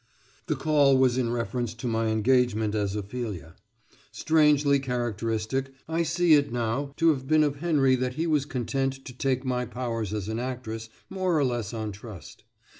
The call was in reference to my engagement as Ophelia. Strangely characteristic I see it now to have been of Henry that he was content to take my powers as an actress more or less on trust.